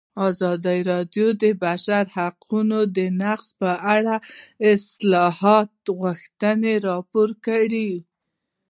ازادي راډیو د د بشري حقونو نقض په اړه د اصلاحاتو غوښتنې راپور کړې.